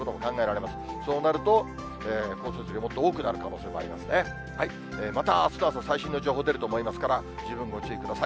またあすの朝、最新の情報出ると思いますから、十分ご注意ください。